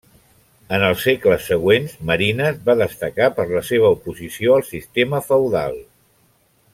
En els segles següents Marines va destacar per la seva oposició al sistema feudal.